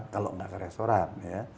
kalau enggak ke restoran